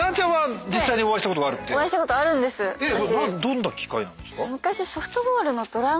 どんな機会なんですか？